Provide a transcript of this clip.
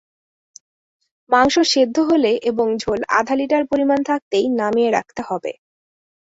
মাংস সেদ্ধ হলে এবং ঝোল আধা লিটার পরিমাণ থাকতেই নামিয়ে রাখতে হবে।